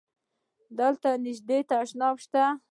دلته نژدی تشناب شته؟